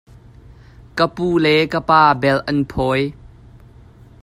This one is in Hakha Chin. Ka pu le ka pa belh an phawi.